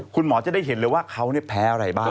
คุณหมอจะได้เห็นเลยว่าเขาแพ้อะไรบ้าง